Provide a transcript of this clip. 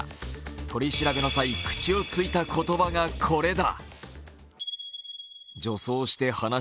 取り調べの際、口をついた言葉がこれだ。